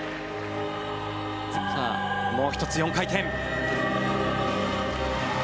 もう一つ、４回転。